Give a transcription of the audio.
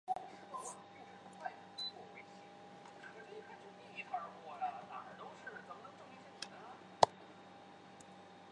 同年与下川玉子结婚。